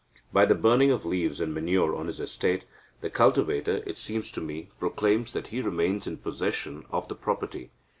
By the burning of leaves and manure on his estate, the cultivator, it seems to me, proclaims that he remains in possession of the property.